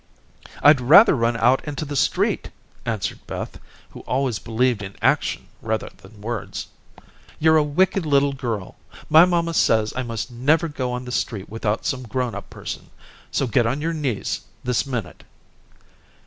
"I'd rather run out into the street," answered Beth, who always believed in action rather than words. "You're a wicked little girl. My mamma says I must never go on the street without some grown up person. So get on your knees this minute."